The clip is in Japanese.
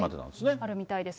あるみたいです。